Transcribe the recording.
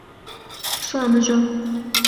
Шоныжо.